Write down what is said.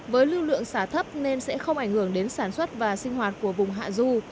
với lưu lượng xả thấp nên sẽ không ảnh hưởng đến sản xuất và sinh hoạt của vùng hạ du